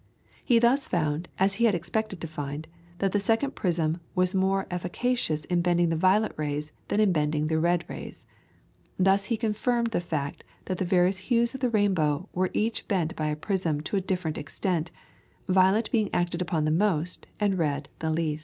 He thus found, as he had expected to find, that the second prism was more efficacious in bending the violet rays than in bending the red rays. Thus he confirmed the fact that the various hues of the rainbow were each bent by a prism to a different extent, violet being acted upon the most, and red the least.